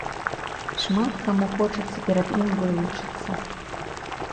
Шмат каму хочацца перад ім вылучыцца.